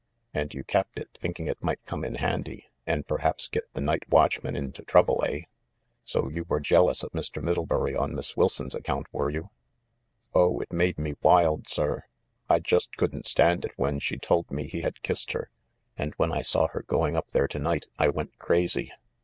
"And you kept it thinking it might come in handy, and perhaps get the night watchman into trouble, eh? So you were jealous of Mr. Middlebury on Miss Wil son's account, were you?" "Oh, it made me wild, sir! I just couldn't stand it when she told me he had kissed her, and when I saw her going up there to night I went crazy."